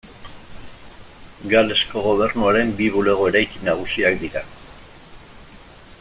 Galesko Gobernuaren bi bulego eraikin nagusiak dira.